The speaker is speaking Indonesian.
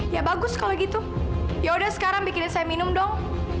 ya bagus kalau gitu yaudah sekarang bikin saya minum dong